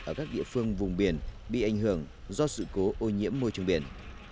ở các địa phương vùng biển bị ảnh hưởng do sự cố ô nhiễm môi trường biển